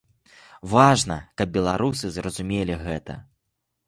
Важна, каб беларусы зразумелі гэта.